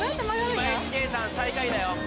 今Ｈｋさん最下位だよ